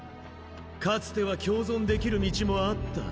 かつては共存できる道もあった。